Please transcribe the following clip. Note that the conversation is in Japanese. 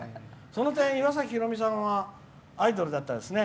その点、岩崎宏美さんはアイドルだったですね。